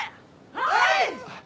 はい！